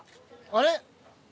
あれ？